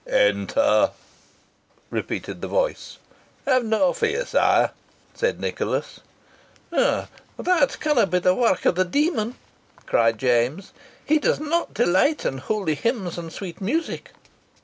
"Enter!" repeated the voice. "Have no fear, sire," said Nicholas. "That canna be the wark o' the deil," cried James. "He does not delight in holy hymns and sweet music."